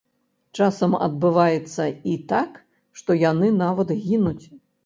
Часам адбываецца і так, што яны нават гінуць.